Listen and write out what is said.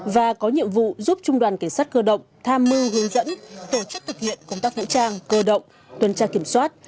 và có nhiệm vụ giúp trung đoàn cảnh sát cơ động tham mưu hướng dẫn tổ chức thực hiện công tác vũ trang cơ động tuần tra kiểm soát